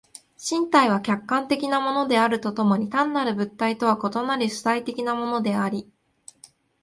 身体は客観的なものであると共に単なる物体とは異なる主体的なものであり、